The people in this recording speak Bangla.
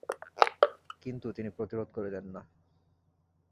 কিন্তু তিনি প্রতিরোধ করিলেন না।